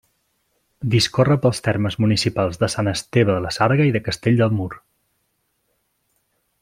Discorre pels termes municipals de Sant Esteve de la Sarga i de Castell de Mur.